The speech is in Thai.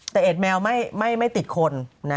แต่เอ็ดแมวไม่ติดคน